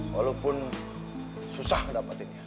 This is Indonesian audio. walaupun susah mendapatinya